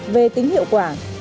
về tính hiệu quả